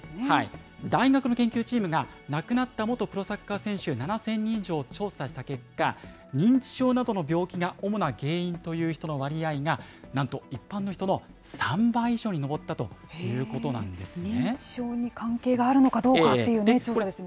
大学の研究チームが、亡くなった元プロサッカー選手７０００人以上を調査した結果、認知症などの病気が主な原因という人の割合が、なんと一般の人の３倍以上認知症に関係があるのかどうかという調査ですね。